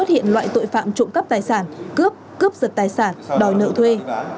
hiện loại tội phạm trộm cắp tài sản cướp cướp rợt tài sản đòi nợ thuê